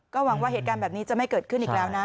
หวังว่าเหตุการณ์แบบนี้จะไม่เกิดขึ้นอีกแล้วนะ